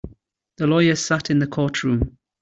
The lawyer sat in the courtroom.